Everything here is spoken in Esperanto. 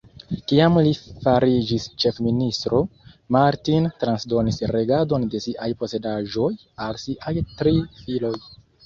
Kiam li fariĝis ĉefministro, Martin transdonis regadon de siaj posedaĵoj al siaj tri filoj.